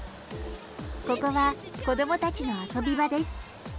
ここは子どもたちの遊び場です。